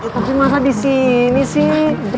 tapi masa di sini sih